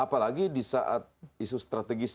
apalagi di saat isu strategis